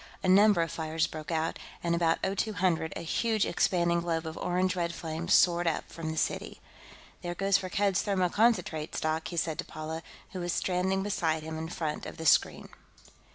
A number of fires broke out, and at about 0200 a huge expanding globe of orange red flame soared up from the city. "There goes Firkked's thermoconcentrate stock," he said to Paula, who was standing beside him in front of the screen.